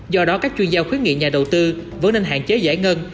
do đó các chuyên gia khuyến nghị nhà đầu tư vẫn nên hạn chế giải ngân